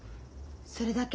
それだけ？